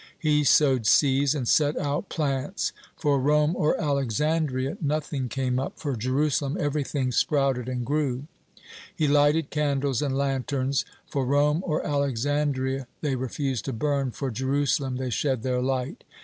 He sowed seeds and set out planets; for Rome or Alexandria nothing came up; for Jerusalem everything sprouted and grew. He lighted candles and lanterns; for Rome or Alexandria they refused to burn, for Jerusalem they shed their light.